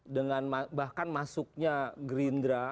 dengan bahkan masuknya gerindra